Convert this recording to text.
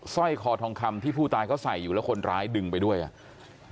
สร้อยคอทองคำที่ผู้ตายเขาใส่อยู่แล้วคนร้ายดึงไปด้วยอ่ะ